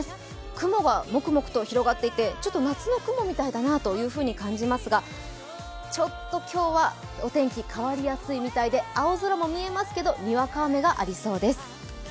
雲がもくもくと広がっていてちょっと夏の雲みたいだなというふうに感じますが、ちょっと今日はお天気、変わりやすいみたいで青空も見えますけど、にわか雨がありそうです。